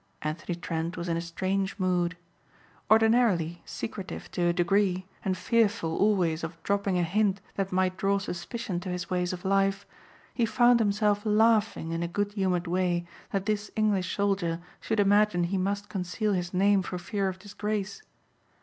Anthony Trent was in a strange mood. Ordinarily secretive to a degree and fearful always of dropping a hint that might draw suspicion to his ways of life, he found himself laughing in a good humored way that this English soldier should imagine he must conceal his name for fear of disgrace.